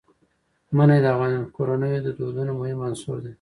منی د افغان کورنیو د دودونو مهم عنصر دی.